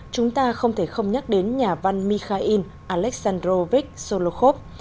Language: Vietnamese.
chúng ta không thể không nhắc đến nhà văn mikhail alexandrovich solokhov